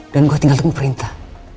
dan gue tinggal tunggu perintah